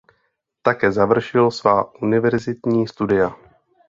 Také završil svá univerzitní studia.